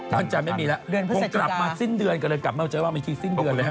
วันจันทร์ไม่มีแล้วคงกลับมาสิ้นเดือนก็เลยกลับมาใจว่าบางทีสิ้นเดือนเลยฮ